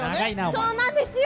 そうなんですよ。